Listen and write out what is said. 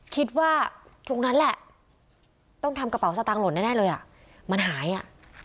คิดว่าตรงนั้นแหละต้องทำกระเป๋าสตางคลนแน่เลยอ่ะมันหายอ่ะ